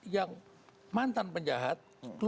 yang mantan penjahat